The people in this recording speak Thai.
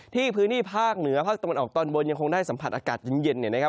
พื้นที่ภาคเหนือภาคตะวันออกตอนบนยังคงได้สัมผัสอากาศเย็นเนี่ยนะครับ